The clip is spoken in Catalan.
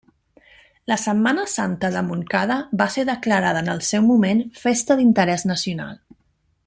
La Setmana Santa de Montcada va ser declarada en el seu moment festa d'interès nacional.